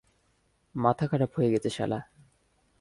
মাথা খারাপ হয়ে গেছে শালা।